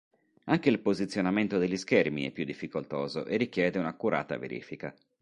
Anche il posizionamento degli schermi è più difficoltoso e richiede un’accurata verifica.